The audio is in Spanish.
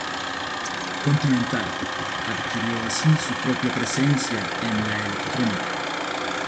Continental, adquirió así su propia presencia en la electrónica.